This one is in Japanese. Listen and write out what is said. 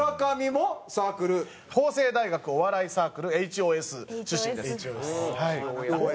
法政大学お笑いサークルＨＯＳ出身ですはい。